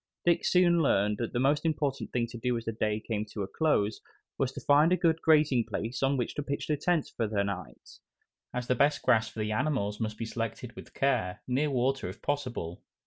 Dick soon learned that the most important thing to do as the day came to a close was to find a good grazing place on which to pitch tent for the night, as the best grass for the animals must be selected with care, near water if possible.